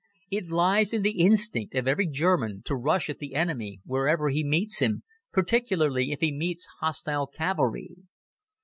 It lies in the instinct of every German to rush at the enemy wherever he meets him, particularly if he meets hostile cavalry.